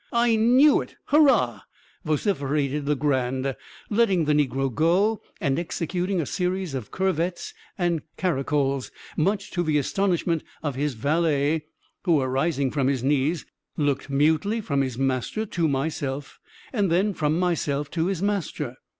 I knew it! hurrah!" vociferated Legrand, letting the negro go and executing a series of curvets and caracols, much to the astonishment of his valet, who, arising from his knees, looked, mutely, from his master to myself, and then from myself to his master.